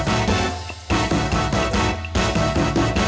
เฮ้ยส่องให้